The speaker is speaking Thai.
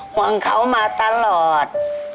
ห่วงเขามาตลอด